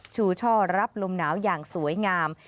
ชูช่อรับลมหนาวอย่างสวยงาม